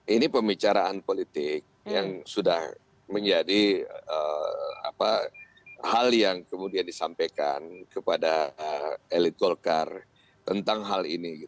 ini pembicaraan politik yang sudah menjadi hal yang kemudian disampaikan kepada elit golkar tentang hal ini